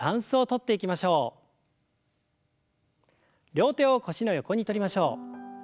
両手を腰の横にとりましょう。